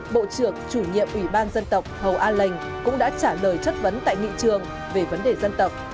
bộ trưởng chủ nhiệm ủy ban dân tộc hầu a lệnh cũng đã trả lời chất vấn tại nghị trường về vấn đề dân tộc